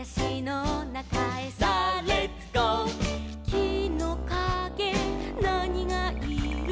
「きのかげなにがいる？」